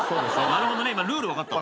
なるほどねルール分かったわ。